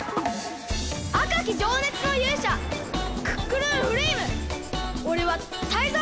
あかきじょうねつのゆうしゃクックルンフレイムおれはタイゾウ！